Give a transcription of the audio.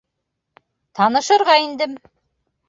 Танышырға индем.